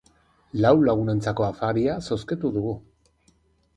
Lau lagunentzako afaria zozketu dugu.